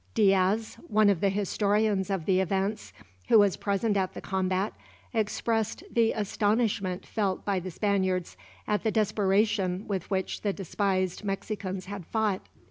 Diaz, one of the historians of the events, who was present at the combat, expressed the astonishment felt by the Spaniards at the desperation with which the despised Mexicans had fought.